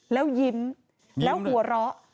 แล้วยิ้มแล้วหัวเราะ